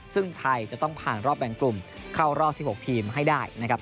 ซึ่งไทยจะต้องผ่านรอบแบ่งกลุ่มเข้ารอบ๑๖ทีมให้ได้นะครับ